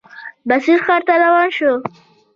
بصرې ښار ته روان شو.